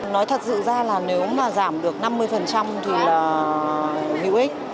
nói thật sự ra là nếu mà giảm được năm mươi thì hữu ích